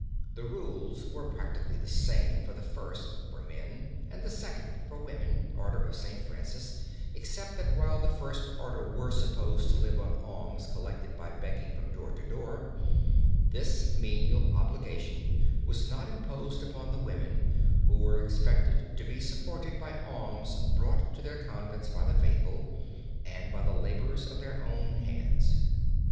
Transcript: The rules were practically the same for the first (for men) and the second (for women) order of St. Francis, except that while the first order were supposed to live on alms collected by begging from door to door, this menial obligation was not imposed upon the women, who were expected to be supported by alms brought to their convents by the faithful, and by the labor of their own hands.